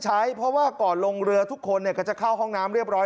ใช้เพราะว่าก่อนลงเรือทุกคนก็จะเข้าห้องน้ำเรียบร้อย